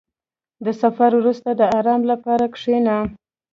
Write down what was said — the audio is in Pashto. • د سفر وروسته، د آرام لپاره کښېنه.